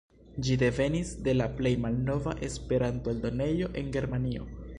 Ĝi devenis de la plej malnova Esperanto-eldonejo en Germanio.